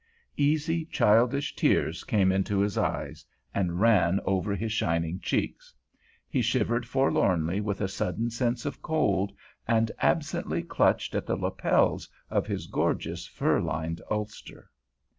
Easy, childish tears came into his eyes, and ran over his shining cheeks. He shivered forlornly with a sudden sense of cold, and absently clutched at the lapels of his gorgeous, fur lined ulster.